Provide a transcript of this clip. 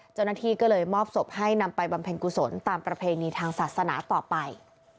เจ้าหน้าที่ก็เลยมอบศพให้นำไปบำเพ็ญกุศลตามประเพณีทางศาสนาต่อไป